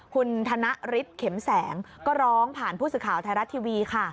คุณธนฤทธิ์เข็มแสงก็ร้องผ่านผู้สื่อข่าวไทยรัฐทีวีค่ะ